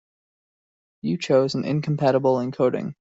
You chose an incompatible encoding.